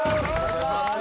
お願いします